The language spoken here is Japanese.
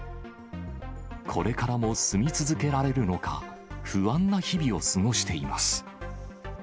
これからも住み続けられるのか、不安な日々を過ごしています。